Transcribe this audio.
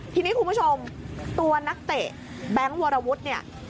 ทีนี้คุณผู้ชมตัวนักเตะแบงค์วรวุฒิเนี่ย